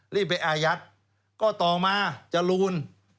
รีบไปอายัดก็ต่อมาจรูน